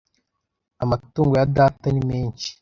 Amatungo ya data ni menshi